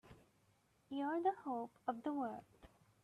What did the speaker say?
You're the hope of the world!